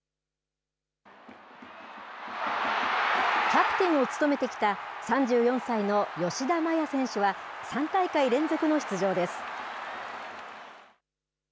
キャプテンを務めてきた３４歳の吉田麻也選手は、３大会連続の出場です。